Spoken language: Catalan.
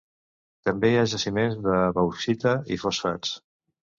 També hi ha jaciments de bauxita i fosfats.